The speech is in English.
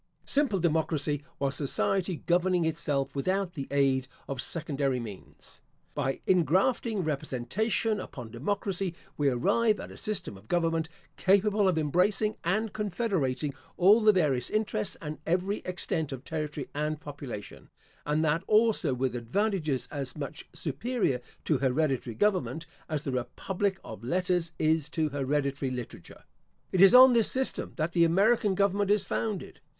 Simple democracy was society governing itself without the aid of secondary means. By ingrafting representation upon democracy, we arrive at a system of government capable of embracing and confederating all the various interests and every extent of territory and population; and that also with advantages as much superior to hereditary government, as the republic of letters is to hereditary literature. It is on this system that the American government is founded.